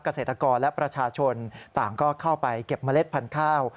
เกษตรกรและประชาชนต่างก็เข้าไปเก็บเมล็ดพันธุ์ข้าว